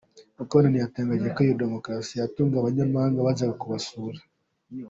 Mukabunani yatangaje kandi ko iyo demokarasi yanatunguye abanyamahanga bazaga kubasura.